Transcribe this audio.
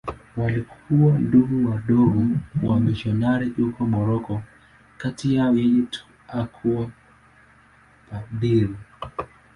Walikuwa Ndugu Wadogo wamisionari huko Moroko.Kati yao yeye tu hakuwa padri.